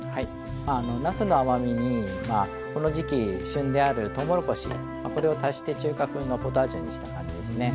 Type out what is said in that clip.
なすの甘みにこの時期旬であるとうもろこしこれを足して中華風のポタージュにした感じですね。